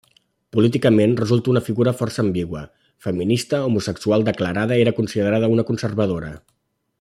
Políticament, resulta una figura força ambigua: feminista homosexual declarada, era considerada una conservadora.